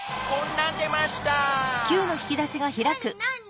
なに？